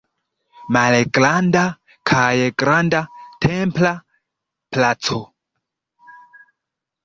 Malgranda kaj Granda templa placo.